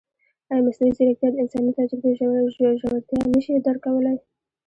ایا مصنوعي ځیرکتیا د انساني تجربې ژورتیا نه شي درک کولی؟